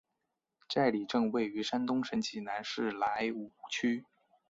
寨里镇位于山东省济南市莱芜区。